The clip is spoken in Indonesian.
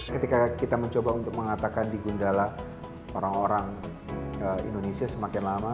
ketika kita mencoba untuk mengatakan di gundala orang orang indonesia semakin lama